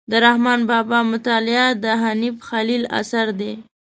د رحمان بابا مطالعه د حنیف خلیل اثر دی.